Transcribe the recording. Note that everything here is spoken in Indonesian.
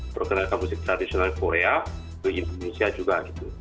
perkenalkan musik tradisional korea ke indonesia juga